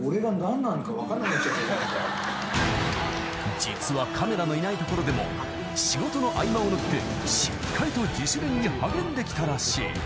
［実はカメラのいない所でも仕事の合間を縫ってしっかりと自主練に励んできたらしい］